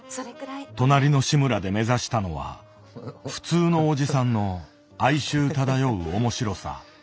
「となりのシムラ」で目指したのは「普通のおじさん」の哀愁漂う面白さ。